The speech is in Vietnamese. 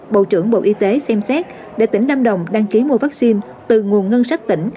bộ trưởng bộ y tế xem xét để tỉnh lâm đồng đăng ký mua vaccine từ nguồn ngân sách tỉnh